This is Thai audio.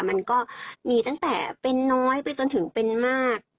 มันก็มีตั้งแต่เป็นน้อยไปจนถึงเป็นมาก